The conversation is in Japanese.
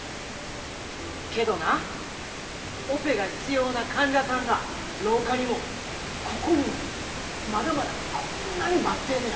けどなオペが必要な患者さんが廊下にもここにもまだまだこんなに待ってんねや！